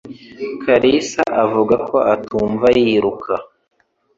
kalisa avuga ko atumva yiruka.